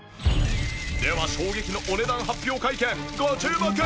では衝撃のお値段発表会見ご注目！